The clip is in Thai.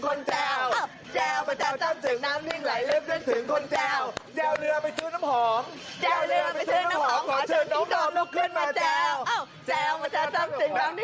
แบบนี้เลยบรรยากาศในห้องประชุม